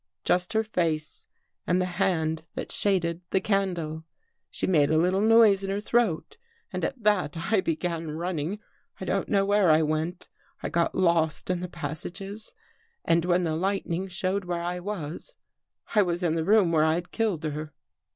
Just her face and the hand that shaded the candle. She made a little noise in her throat and at that I began running. I don't know where I went. I got lost in the pas sages. And when the lightning showed where I was, I was in the room where I had killed her."